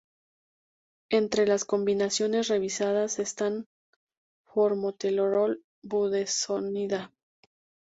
Entre las combinaciones revisadas están formoterol-budesonida.